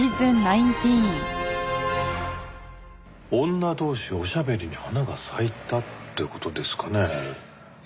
女同士おしゃべりに花が咲いたって事ですかねえ？